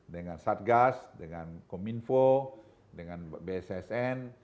dengan satgas dengan kominfo dengan bssn